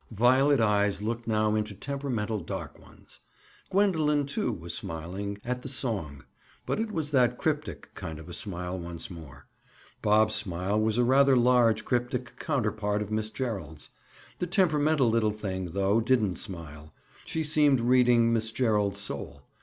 Violet eyes looked now into temperamental dark ones. Gwendoline, too, was smiling—at the song. But it was that cryptic kind of a smile once more. Bob's smile was a rather large cryptic counterpart of Miss Gerald's. The temperamental little thing, though, didn't smile. She seemed reading Miss Gerald's soul.